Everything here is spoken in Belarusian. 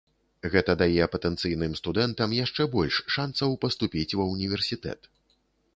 Гэта дае патэнцыйным студэнтам яшчэ больш шанцаў паступіць ва ўніверсітэт.